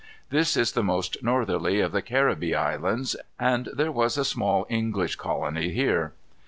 This is the most northerly of the Caribbee Islands, and there was a small English colony here.